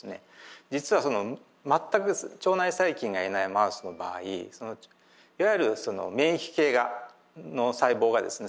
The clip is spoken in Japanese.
実はその全く腸内細菌がいないマウスの場合いわゆるその免疫系の細胞がですね